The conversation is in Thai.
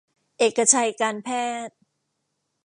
เอกชัยการแพทย์